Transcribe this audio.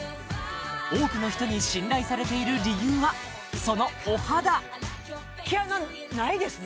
多くの人に信頼されている理由はそのお肌毛穴ないですね